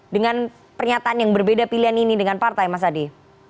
dengan pernyataan yang berbeda pilihan ini dengan partai mas adi